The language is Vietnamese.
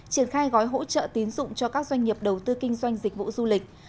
triển khai gói hỗ trợ tín dụng cho các doanh nghiệp đầu tư kinh doanh dịch vụ du lịch